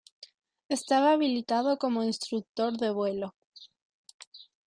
Estaba habilitado como instructor de vuelo.